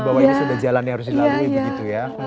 bahwa ini sudah jalan yang harus dilalui begitu ya